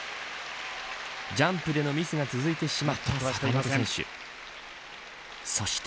ジャンプでのミスが続いてしまった坂本選手。